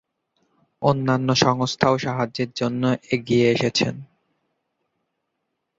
অন্যান্য সংস্থাও সাহায্যের জন্য এগিয়ে এসেছেন।